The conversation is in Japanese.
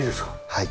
はい。